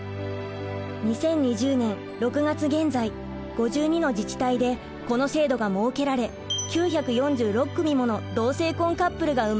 ２０２０年６月現在５２の自治体でこの制度が設けられ９４６組もの同性婚カップルが生まれました。